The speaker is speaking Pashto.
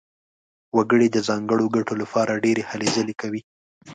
وګړي د ځانګړو ګټو لپاره ډېرې هلې ځلې کوي.